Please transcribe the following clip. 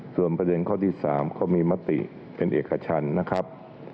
ส่วนประเด็นข้อที่๓ก็มีมติเป็นเอกชันนะครับ